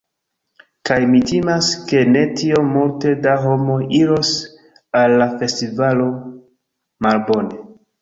Kaj mi timas ke ne tiom multe da homoj iros al la festivalo. Malbone!